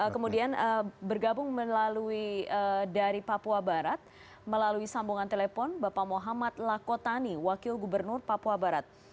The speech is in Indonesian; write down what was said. kemudian bergabung melalui dari papua barat melalui sambungan telepon bapak muhammad lakotani wakil gubernur papua barat